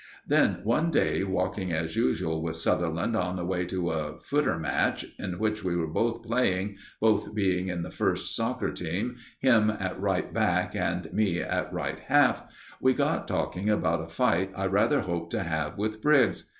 Then one day, walking as usual with Sutherland on the way to a footer match in which we were both playing, both being in the first "soccer" team, him at right back and me at right half, we got talking about a fight I rather hoped to have with Briggs.